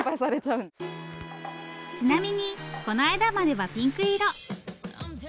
ちなみにこの間まではピンク色！